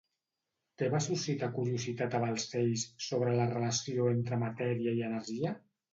Què va suscitar curiositat a Balcells sobre la relació entre matèria i energia?